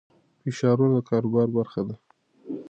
فشارونه د کاروبار برخه ده.